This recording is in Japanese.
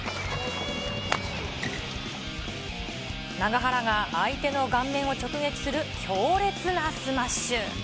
永原が相手の顔面を直撃する強烈なスマッシュ。